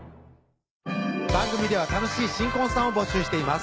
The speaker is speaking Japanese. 番組では楽しい新婚さんを募集しています